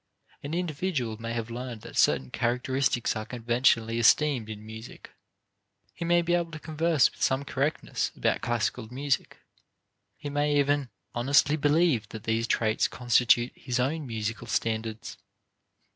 An individual may have learned that certain characteristics are conventionally esteemed in music; he may be able to converse with some correctness about classic music; he may even honestly believe that these traits constitute his own musical standards.